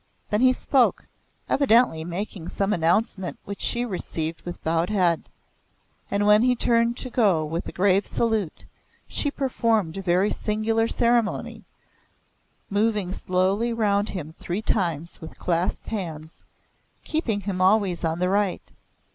Then he spoke, evidently making some announcement which she received with bowed head and when he turned to go with a grave salute, she performed a very singular ceremony, moving slowly round him three times with clasped hands; keeping him always on the right.